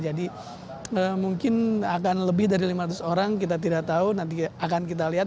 jadi mungkin akan lebih dari lima ratus orang kita tidak tahu nanti akan kita lihat